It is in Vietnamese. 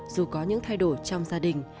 dù có những thay đổi trong gia đình